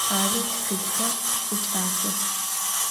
Arı, txılhxer siç'asex.